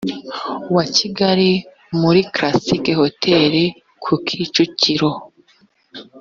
wa kigali muri classic hotel ku kicukiro